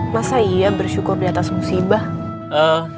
masa iya bersyukur diatas musibah